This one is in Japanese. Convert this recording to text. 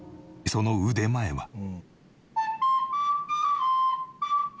その腕前は。